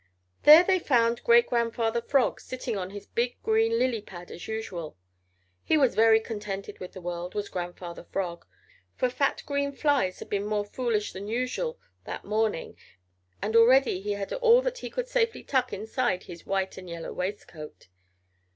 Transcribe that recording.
There they found Great Grandfather Frog sitting on his big green lily pad as usual. He was very contented with the world, was Grandfather Frog, for fat green flies had been more foolish than usual that morning and already he had all that he could safely tuck inside his white and yellow waistcoat.